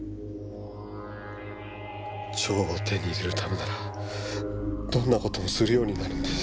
蝶を手に入れるためならどんなこともするようになるんです。